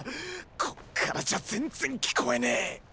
こっからじゃ全然聞こえねェ！